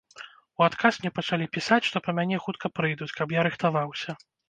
У адказ мне пачалі пісаць, што па мяне хутка прыйдуць, каб я рыхтаваўся.